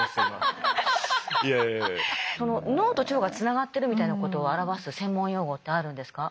脳と腸がつながってるみたいなことを表す専門用語ってあるんですか？